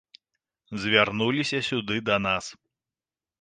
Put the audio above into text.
Завярнуліся сюды да нас.